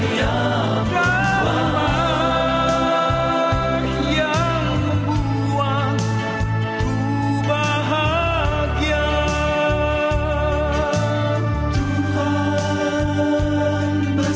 yang tak dapat diambilnya